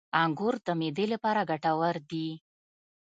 • انګور د معدې لپاره ګټور دي.